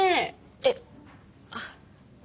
えっあっ。